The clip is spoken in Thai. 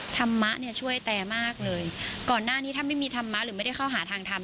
ธรรมะเนี่ยช่วยแต่มากเลยก่อนหน้านี้ถ้าไม่มีธรรมะหรือไม่ได้เข้าหาทางทำ